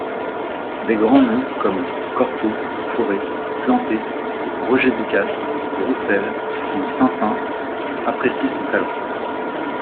Des grands noms comme Cortot, Fauré, Planté, Roger-Ducasse, Roussel ou Saint-Saëns apprécient son talent.